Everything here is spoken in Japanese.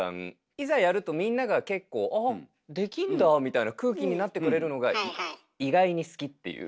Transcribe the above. いざやるとみんなが結構「あっできんだ」みたいな空気になってくれるのが意外に好きっていう。